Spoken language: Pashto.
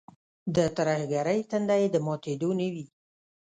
د ترهګرۍ تنده یې د ماتېدو نه وي.